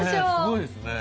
すごいですね。